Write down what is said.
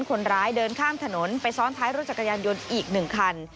คนร้ายเดินข้ามถนนไปซ้อนท้ายรถจักรยานยนต์อีก๑คัน